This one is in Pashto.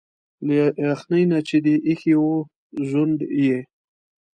له يخني نه چي دي ا يښي وو ځونډ يه